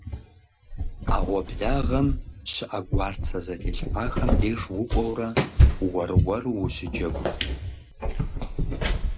Ӏэгъуэблагъэм щыӀэ гуарцэ зэтелъхьахэм деж укӀуэурэ уэр-уэру ущыджэгурт.